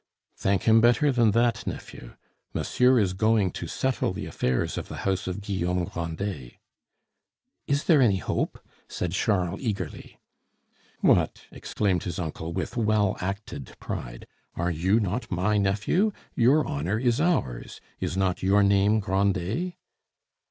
"Thank him better than that, nephew. Monsieur is going to settle the affairs of the house of Guillaume Grandet." "Is there any hope?" said Charles eagerly. "What!" exclaimed his uncle, with well acted pride, "are you not my nephew? Your honor is ours. Is not your name Grandet?"